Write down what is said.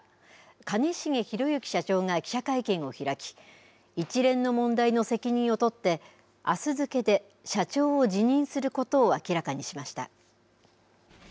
兼重宏行社長が記者会見を開き、一連の問題の責任を取って、あす付けで社長を辞任することを明らかにしました。